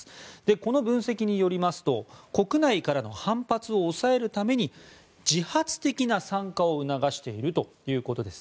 この分析によりますと国内からの反発を抑えるために自発的な参加を促しているということです。